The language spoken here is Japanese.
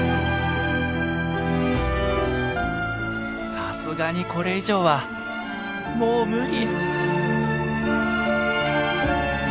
さすがにこれ以上はもう無理。